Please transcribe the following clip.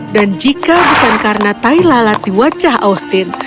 dan jika bukan karena tai lalat di wajah austin